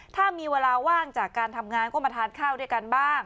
ถ้ามีเวลาว่างจากการทำงานก็มาทานข้าวด้วยกันบ้าง